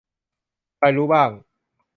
ใครรู้บ้าง